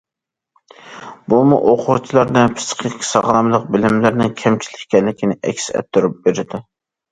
بۇمۇ ئوقۇغۇچىلاردا پىسخىك ساغلاملىق بىلىملىرىنىڭ كەمچىل ئىكەنلىكىنى ئەكس ئەتتۈرۈپ بېرىدۇ.